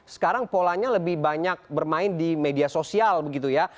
sekarang polanya lebih banyak bermain di media sosial begitu ya